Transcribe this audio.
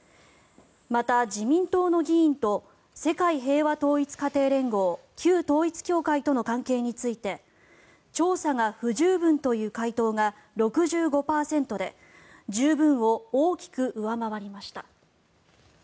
また自民党の議員と世界平和統一家庭連合旧統一教会との関係について調査が不十分という回答が６５％で十分を大きく上回りました。